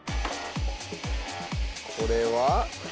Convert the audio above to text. これは。